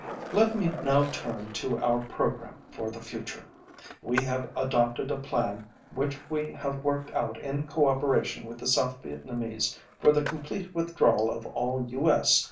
Let me now turn to our program for the future. We have adopted a plan which we have worked out in cooperation with the South Vietnamese for the complete withdrawal of all U.S.